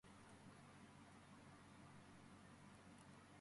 სიახლოვეს მდებარეობს მაღალმთიანი ტბა პატარა ალაგიოლი.